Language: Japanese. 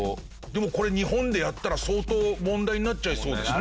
でもこれ日本でやったら相当問題になっちゃいそうですね。